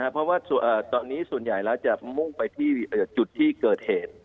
เพราะว่าตอนนี้ส่วนใหญ่แล้วจะมุ่งไปที่จุดที่เกิดเหตุ